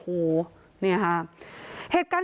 เหตุการณ์เกิดขึ้นที่นี่นะครับ